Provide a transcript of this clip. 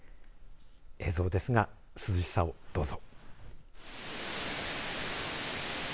映像ですが涼しさをどうぞ。